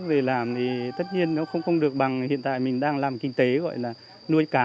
về làm thì tất nhiên nó không được bằng hiện tại mình đang làm kinh tế gọi là nuôi cá